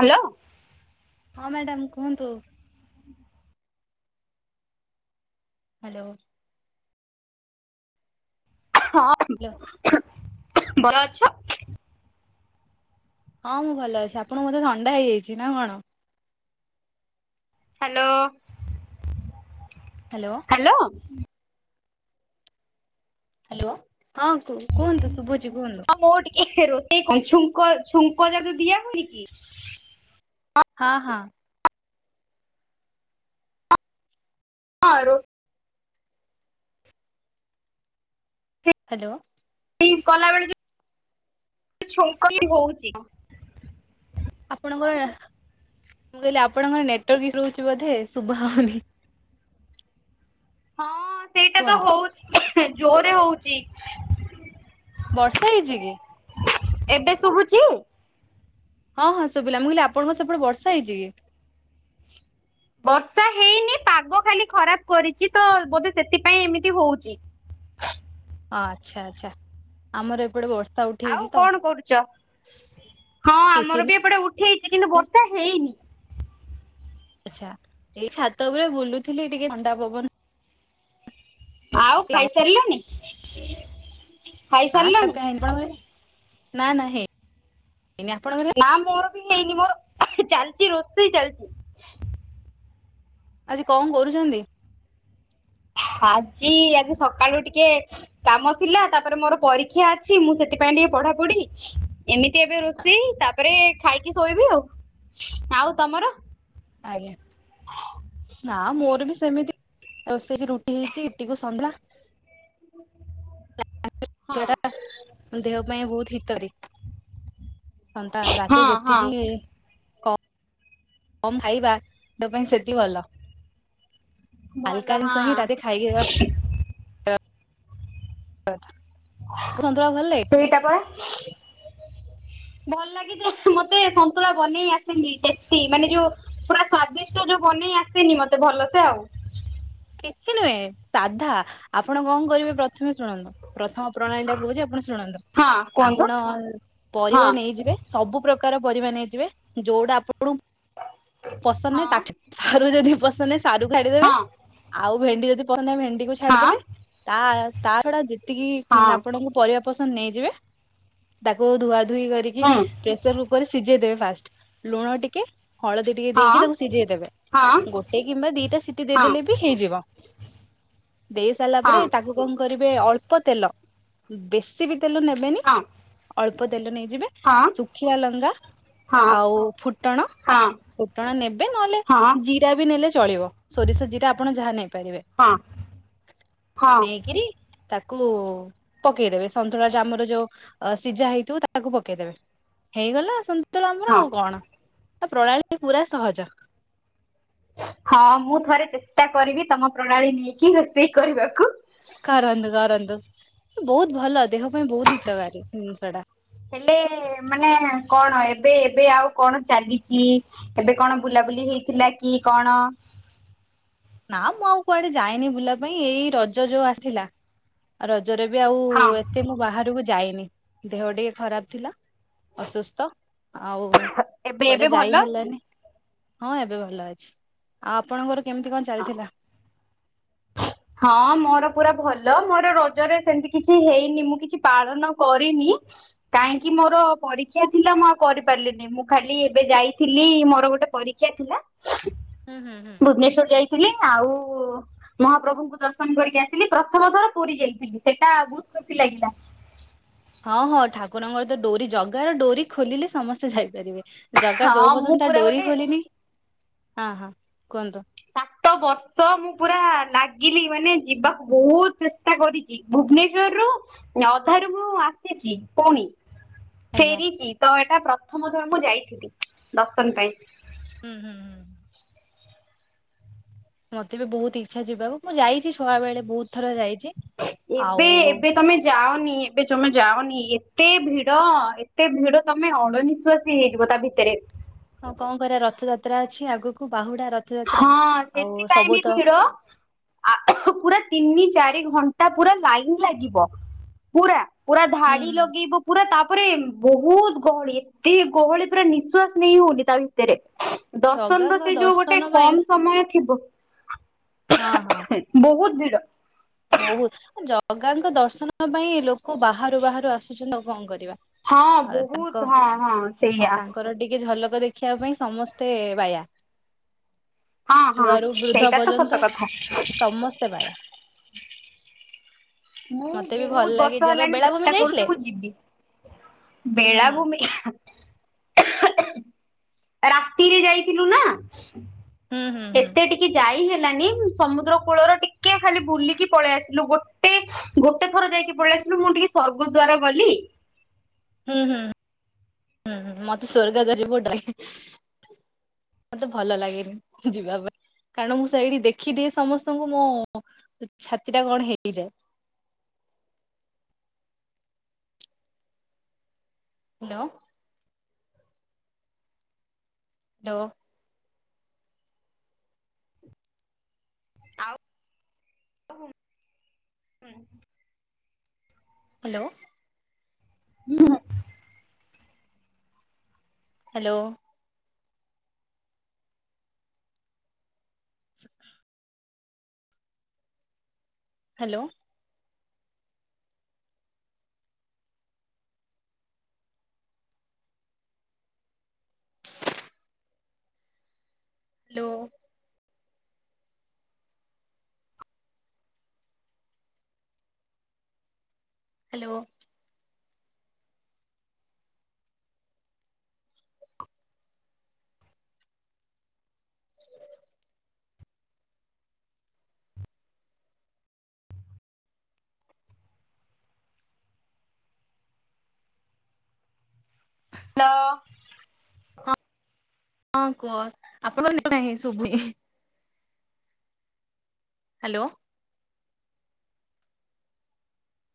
Hello. ହଁ madam କୁହନ୍ତୁ। Hello. ହଁ, ଭଲ ଅଛ? ହଁ ମୁଁ ଭଲ ଅଛି, ଆପଣଙ୍କୁ ବୋଧେ ଥଣ୍ଡା ହେଇଯାଇଛି ନା କଣ? ହାଲୋ। ହେଲୋ। ହେଲୋ। ହଁ କୁହନ୍ତୁ ଶୁଭୁଛି କୁହନ୍ତୁ। ହଁ ମୁଁ ଟିକେ ରୋଷେଇ [inaudible] ଛୁଙ୍କ ଛୁଙ୍କ ଯାକ ଦିଆ ହଉନି କି ହଁ, ହଁ। ହଁ ରୋଷ ହ୍ୟାଲୋ। ଷେଇ ଗଲାବେଳେ ଯୋଉ ଛୁଙ୍କ ହିଁ ହଉଚି। ଆପଣଙ୍କର ମୁଁ କହିଲି ଆପଣଙ୍କର ନେଟୱାର୍କ ଇସୁ ରହୁଛି ବୋଧେ ଶୁଭା ହଉନି। ହଁ ସେଇ କୁହନ୍ତୁ। ହଉଛି ଜୋରେ ହଉଚି। ବର୍ଷା ହେଇଛି କି? ଏବେ ଶୁଭୁଛି। ହଁ, ହଁ ଶୁଭିଲା, ମୁଁ କହିଲି ଆପଣଙ୍କ ସେପଟେ ବର୍ଷା ହେଇଛି କି? ବର୍ଷା ହେଇନି ପାଗ ଖାଲି ଖରାପ କରିଚି ତ ବୋଧେ ସେଥିପାଇଁ ଏମିତି ହଉଚି। ଓ ଆଚ୍ଛା, ଆଚ୍ଛା ଆମର ଏପଟେ ବର୍ଷା ଉ ଆଉ କଣ କରୁଚ? ହଁ କିଛି ଆମର ବି ନାହିଁ ଏପଟେ ଉଠେଇଚି କିନ୍ତୁ ବର୍ଷା ହେଇନି। ଆଚ୍ଛା ଏଇ ଛାତ ଉପରେ ବୁଲୁଥିଲି ଟିକେ ଥଣ୍ଡା ପବନ ଆଉ ନଉଥିଲା। ଖାଇସାରିଲନି? ନା ଖିଆ ଖାଇସାରିଲନି ପିଆ ହେଇନି। ଆପଣଙ୍କ ଘରେ? ନା ନା ହେଇନି ଆପଣଙ୍କ ଘରେ? ନା ମୋର ବି ହେଇନି ମୋର ଚାଲିଚି ରୋଷେଇ ଚାଲିଛି। ଆଜି କଣ କରୁଛନ୍ତି? ଆଜି ଆଜି ସକାଳୁ ଟିକେ କାମ ଥିଲା, ତାପରେ ମୋର ପରୀକ୍ଷା ଅଛି, ମୁଁ ସେଥିପାଇଁ ଟିକେ ପଢାପଢି ଏମିତି ଏବେ ରୋଷେଇ ତାପରେ ଖାଇକି ଶୋଇବି ଆଉ। ଆଉ ତୋମର? ଆଜ୍ଞା। ନା ମୋର ବି ସେମିତି ରୋଷେଇ ଆଜି ରୁଟି ହେଇଛି ରୁଟିକୁ ସ [inaudible] [inaudible] [inaudible] ହଁ ତୁଳା ଟା ଆମ ଦେହ ପାଇଁ ବହୁତ ହିତରୀ। ହନ୍ତା ରାତି ହଁ ହଁ ଯେତିକି କ କମ ଖାଇବା ଦେହ ପାଇଁ ସେତିିକି ଭଲ। ଭଲ ହାଲକା ଜିନିଷ ହଁ। ହିଁ ରାତି ଖାଇବା କଥା। ସେଇଟା ପରା। ଭଲ ଲାଗେ ଯେ ମୋତେ ସନ୍ତୁଳା ବନେଇ ଆସେନି ଟେଷ୍ଟି, ମାନେ ଯୋଉ ପୁରା ସ୍ଵାଦିଷ୍ଟ ଯୋଉ ବନେଇ ଆସେନି ମୋତେ ଭଲସେ ଆଉ। କିଛି ନୁହେଁ ସାଧା ଆପଣ କଣ କରିବେ ପ୍ରଥମେ ଶୁଣନ୍ତୁ ପ୍ରଥମ ପ୍ରଣାଳୀ ଟା କହୁଛି ଆପଣ ଶୁଣନ୍ତୁ ହଁ କୁହନ୍ତୁ ଆପଣ ହଁ ପରିବା ନେଇଯିବେ। ସବୁ ପ୍ରକାର ପରିବା ନେଇଯିବେ, ଯୋଉଟା ଆପଣଙ୍କୁ ପସନ୍ଦ ନାହିଁ ହଁ ତା ସାରୁ ଯଦି ପସନ୍ଦ ନାହି ସାରୁ କାଢି ଦେବେ। ହଁ ଆଉ ଭେଣ୍ଡି ଯଦି ପସନ୍ଦ ନାହି ଭେଣ୍ଡି କୁ ଛାଡି ହଁ ଦେବେ, ତା ତା ଛଡା ଯେତିକି ଉଁ, ହଁ ଆପଣଙ୍କୁ ପରିବା ପସନ୍ଦ ନେଇଯିବେ, ତାକୁ ଧୁଆ ଧୁଇ କରିକି ହୁଁ ପ୍ରେସର୍ କୁକରରେ ସିଜେଇ ଦେବେ ଫାଷ୍ଟ୍, ଲୁଣ ଟିକେ ହଳଦୀ ଟିକେ ଦେଇକି ହଁ ତାକୁ ସିଝେଇ ଦେବେ, ହଁ ଗୋଟେ କିମ୍ବା ଦି ଟା ସିଟି ଦେଇ ହଁ ଦେଲେ ବି ବି ହେଇଯିବ। ଦେଇ ସାରିଲା ପରେ ହଁ ତାକୁ କଣ କରିବେ ଅଳ୍ପ ତେଲ ବେଶୀ ବି ତେଲ ନେବେନି ହଁ ଅଳ୍ପ ତେଲ ନେଇଯିବେ। ହଁ ଶୁଖିଲା ଲଙ୍କା ହଁ ଆଉ ଫୁଟଣ ହଁ ଫୁଟଣ ନେବେ ନହେଲେ ହଁ ଜିରାବି ନେଲେ ଚଳିବ ସୋରିଷ ଜିରା ଆପଣ ଯାହନେଇ ପାରିବେ ହଁ ହଁ ନେଇକିରି ତାକୁ ପକେଇ ଦେବେ ସନ୍ତୁଳାଟା ଆମର ଯୋଉ ଅଁର ସିଝା ହେଇଥିବ ତାହାକୁ ପକେଇ ଦେବେ। ହେଇଗଲା ସନ୍ତୁଳା ଆମର ହଁ ଆଉ କଣ ଆ ପ୍ରଣାଳୀ ପୁରା ସହଜ। ହଁ ମୁଥରେ ଚେଷ୍ଟା କରିବି ତମ ପ୍ରଣାଳୀ ନେଇକି ରୋଷେଇ କରିବାକୁ। କରନ୍ତୁ କରନ୍ତୁ ବୋହୁତ୍ ଭଲ ଦେହ ପାଇଁ ବୋହୁତ୍ ହିତକାରୀ ଜିନିଷଟା। ହେଲେ ମାନେ କଣ ଏବେ ଏବେ ଆଉ କଣ ଚାଲିଚି? ଏବେ କଣ ବୁଲାବୁଲି ହେଇଥିଲାକି କଣ? ନା ମୁଆଉ କୁଆଡ଼େ ଯାଇନି ବୁଲିବା ପାଇଁ ଏଇ ରଜ ଯୋଉ ଆସିଲା। ଆଉ ରଜରେବି ଆଉ ହଁ ଏତେମୁ ବାହାରକୁ ଯାଇନି ଦେହ ଟିକେ ଖରାପ୍ ଥିଲା। ଅସୁସ୍ଥ ଆଉ ଏବେ ଏବେ କୁଆଡ଼େ ଭଲ ଯାଇ ଅଛି ହେଲାନି। ହଁ ଏବେ ଭଲ ଅଛି ଆଉ ଆପଣଙ୍କ ଘରେ କେମିତି କଣ ହଁ ଚାଲିଥିଲା? ହଁ ମୋର ପୁରା ଭଲ ମୋର ରଜରେ ସେମିତି କିଛି ହେଇନି ମୁକିଛି ପାଳନ କରିନି। କାହିଁକି ମୋର ପରୀକ୍ଷା ଥିଲା ମୁଆଉ କରି ପାରିଲିନି ମୁଖାଲି ଏବେ ଯାଇଥିଲି ମୋର ଗୋଟେ ପରୀକ୍ଷା [unintelligible] ହୁଁ ହୁଁ ହୁଁ। ଭୁବନେଶ୍ଵର୍ ଯାଇଥିଲି ଆଉ ମହାପ୍ରଭୁ ମୁଁ ଦର୍ଶନ କରିକି ଆସିଲି ପ୍ରଥମ ଥର ପୁରୀ ଯାଇଥିଲି ସେଟା ବୋହୁତ୍ ଖୁସି ଲାଗିଲା। ହଁ ହଁ ଠାକୁରଙ୍କରତ ଡୋରି ଜଗାର ଡୋରି ଖୋଲିଲେ ସମସ୍ତେ ଯାଇ ପାରିବେ। ଜଗା ହଁ ଯୋଉ ମୁଁ ପର୍ଯ୍ୟନ୍ତ ପୁରା ତାଡୋରି ଗୋଟେ ଖୋଲିନି ହଁ ହଁ କୁହନ୍ତୁ? ସାତ ବର୍ଷ ମୁପୁରା ଲାଗିଲି ମାନେ ଯିବାକୁ ବୋହୁତ୍ ଚେଷ୍ଟା କରିଚି। ଭୁବନେଶ୍ଵର୍ ରୁ ଅଧାରୁ ମୁଆସିଛି ପୁଣି ଆଜ୍ଞା। ଫେରିଚି ତ ଏଟା ପ୍ରଥମଥର ମୁଁ ଯାଇଥିଲି ଦର୍ଶନ ପାଇଁ। ହୁଁ ହୁଁ ହୁଁ। ମତେବି ବୋହୁତ୍ ଇଚ୍ଛା ଯିବାକୁ ମୁଯାଇଚି ଛୁଆ ବେଳେ ବୋହୁତ୍ ଥର ଯାଇଚି। ଏବେ ଏବେ ତମେ ଯାଅନି ଏବେ ଜମା ଯାଅନି ଏତେ ଭିଡ଼ ଏତେ ଭିଡ଼ ତମେ ଅଣନିଶ୍ୱାସି ହେଇଯିବ ତାଭିତରେ। ଆଉ କଣକରିବା ରଥ ଯାତ୍ରା ଅଛି ଆଗକୁ ବାହୁଡ଼ା ରଥ ହଁ ସେଥିପାଇଁବି ଭିଡ଼ ଆ ପୁରା ତିନି ଚାରି ଘଣ୍ଟା ପୁରା ଲାଇନ୍ ଲାଗିବ ପୁରା ପୁରା ହୁଁ ଧାଡ଼ି ହୁଁ ଲଗେଇବୁ ପୁରା ତାପରେ ବୋହୁତ୍ ଗହଳି ଏତେ ଗହଳି ପୁରା ନିଶ୍ୱାସ ନେଇ ହୋଉନି ତାଭିତରେ। ଦର୍ଶନର ଜଗାଙ୍କ ସେଯୋଉ ଦର୍ଶନ ଗୋଟେ ପାଇଁ କମ୍ ସମୟ ଥିବ। ହଁ ହଁ। ବୋହୁତ୍ ଭିଡ଼। ବୋହୁତ୍ ଆଁ ଜଗାଙ୍କ ଦର୍ଶନ ପାଇଁ ଲୋକ ବାହାରୁ ବାହାରୁ ଆସୁଛନ୍ତି ଆଉ କଣ କରିବା? ହଁ ବୋହୁତ୍ ହଁ ହଁ ସେଇୟା। ତୋରଟିକେ ଝଲକ୍ ଦେ ଦେଖିବାପାଇଁ ସମସ୍ତେ ବାୟା। ହଁ ହଁ ଛୁଆରୁ ବୃଦ୍ଧ ସେଇଟା ତ ସତ ପର୍ଯ୍ୟନ୍ତ କଥା। ସମସ୍ତେ ବାୟା। ମତେ ବି ଭଲ ମୁବହୁତ୍ ଲାଗେ ବର୍ଷ ଯିବା ପାଇଁ ହେଲାଣି ବେଳାଭୂମି ଚେଷ୍ଟା ଯାଇଥିଲେ? କରୁଚି ମୁଯିବି। ହୁଁ ବେଳାଭୂମି ରାତିରେ ଯାଇଥିଲୁନା ହୁଁ ହୁଁ ହୁଁ ଏତେ ଟିକେ ଯାଇ ହେଲାନି ସମୁଦ୍ର କୂଳର ଟିକେ ଖାଲି ବୁଲିକି ପଳେଇ ଆସିଲୁ ଗୋଟେ ଗୋଟେ ଥର ଯାଇକି ପଳେଇ ଆସିଲୁ ମୁଁ ଟିକେ ସ୍ଵର୍ଗଦ୍ଵାର ଗଲି। ହୁଁ ହୁଁ ହୁଁ ମତେ ସ୍ଵର୍ଗଦ୍ଵାର ଯିବାକୁ ଡର ଲାଗେ। ମତେ ଭଲ ଲାଗେନି ଯିବା ପାଇଁ। କାରଣ ମୁଁ ସେଇଠି ଦେଖିଦିଏ ସମସ୍ତଙ୍କୁ ମୋଛାତିଟା କଣ ହେଇଯାଏ। ହ୍ୟାଲୋ। ଦୋ। ଆଉ ହୁଁ। ହ୍ୟାଲୋ। ହୁଁ। ହ୍ୟାଲୋ। ହ୍ୟାଲୋ। ହ୍ୟାଲୋ। ହ୍ୟାଲୋ। ଲ ହଁ କୁହ ଆପଣଙ୍କ ନାହିଁ ଶୁଭୁନି। ହ୍ୟାଲୋ।